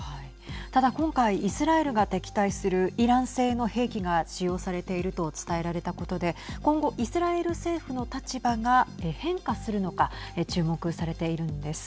ただ、今回イスラエルが敵対するイラン製の兵器が使用されていると伝えられたことで今後、イスラエル政府の立場が変化するのか注目されているんです。